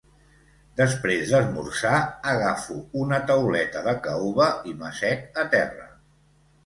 Després d'esmorzar agafo una tauleta de caoba i m'assec a terra.